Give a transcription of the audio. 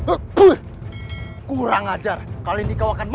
aku ingin menerima keadaanmu